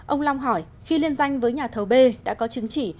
ông long hỏi khi liên danh với nhà thầu b đã có chứng chỉ